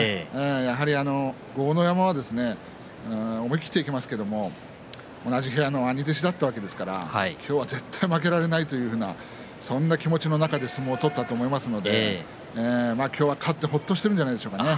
やはり豪ノ山は思い切っていけますけれど同じ部屋の兄弟子だったわけですから今日は絶対に負けられないというような、そんな気持ちの中で相撲を取ったと思いますので今日は勝って、ほっとしているんじゃないでしょうかね。